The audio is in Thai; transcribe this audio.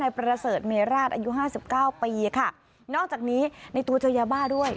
ประเสริฐเมราชอายุห้าสิบเก้าปีค่ะนอกจากนี้ในตัวเจอยาบ้าด้วย